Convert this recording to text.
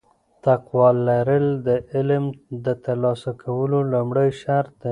تقوا لرل د علم د ترلاسه کولو لومړی شرط دی.